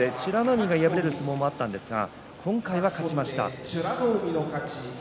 海が敗れる相撲もありましたが今回は勝ちました。